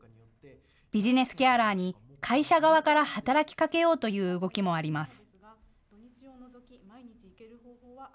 ビジネスケアラーに会社側から働きかけようという動きもあります。